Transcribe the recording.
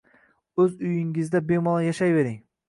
Oʻz uyingizda bemalol yashayvering